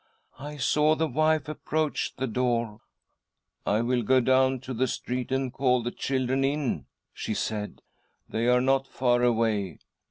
" I saw the wife approach the door. ' I will go down to the street and call the children in,' she said ;' they are not far away.'